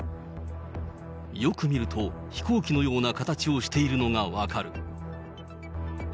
よく見ると、飛行機のような形をしているのが分かる。